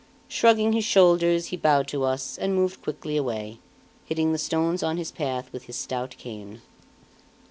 Shrugging his shoulders, he bowed to us and moved quickly away, hitting the stones on his path with his stout cane.